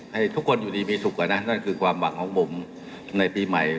ให้ทุกคนอยู่ดีมีสุขอะนะนั่นคือความหวังของผมในปีใหม่